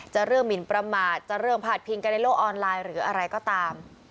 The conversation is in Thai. เรื่องหมินประมาทจะเรื่องพาดพิงกันในโลกออนไลน์หรืออะไรก็ตาม